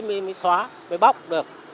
mới xóa mới bóc được